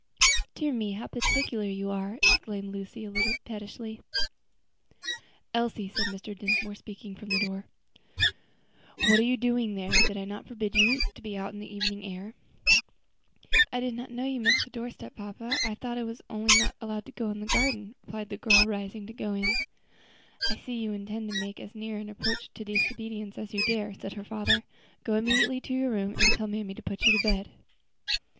"Dear me, how particular you are!" exclaimed Lucy a little pettishly. "Elsie," said Mr. Dinsmore, speaking from the door, "what are you doing there? Did I not forbid you to be out in the evening air?" "I did not know you meant the doorstep, papa. I thought I was only not to go down into the garden," replied the little girl, rising to go in. "I see you intend to make as near an approach to disobedience as you dare," said her father. "Go immediately to your room, and tell mammy to put you to bed."